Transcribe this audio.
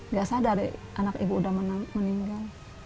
gak sadar deh anak ibu udah meninggal